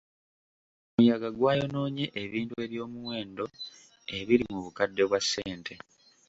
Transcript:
Omuyaga gwayonoonye ebintu eby'omuwendo ebiri mu bukadde bwa ssente.